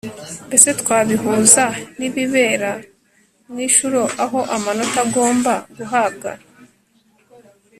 mbese twabihuza n'ibibera mu ishuri aho amanota agomba guhabwa